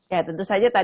ya tentu saja tadi